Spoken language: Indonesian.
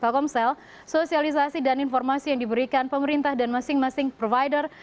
telkomsel sosialisasi dan informasi yang diberikan pemerintah dan masing masing provider